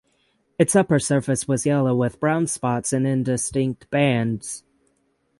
Its upper surface was yellow with brown spots and indistinct bands.